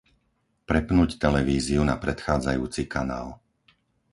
Prepnúť televíziu na predchádzajúci kanál.